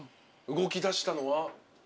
動きだしたのは？